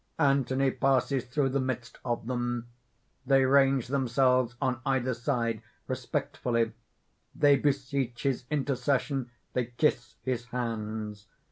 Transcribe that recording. _ _Anthony passes through the midst of them. They range themselves on either side respectfully; they beseech his intercession; they kiss his hands.